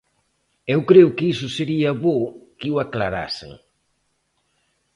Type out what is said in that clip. Eu creo que iso sería bo que o aclarasen.